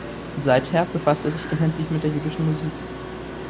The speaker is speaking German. Seither befasst er sich intensiv mit der jüdischen Musik.